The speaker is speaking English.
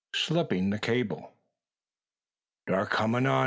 SLIPPING THE CABLE. "Dar coming on!"